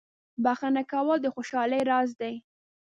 • بخښنه کول د خوشحالۍ راز دی.